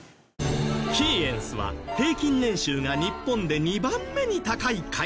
キーエンスは平均年収が日本で２番目に高い会社。